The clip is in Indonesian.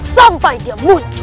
sampai dia muncul